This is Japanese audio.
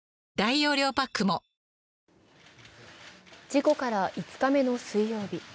事故から５日目の水曜日。